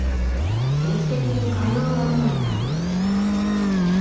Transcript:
定期的に通うものなんだ。